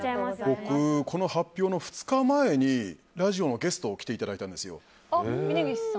僕、この発表の２日前にラジオのゲストに来ていただいたんですよ。